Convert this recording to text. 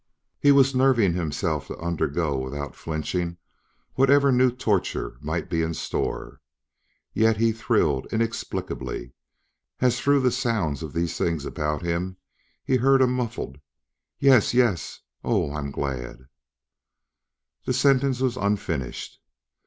He was nerving himself to undergo without flinching whatever new torture might be in store. Yet he thrilled inexplicably as through the sounds of these things about him, he heard a muffled: "Yes yes! Oh, I am glad " The sentence was unfinished.